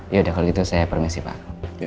ya udah kalau gitu saya permisi pak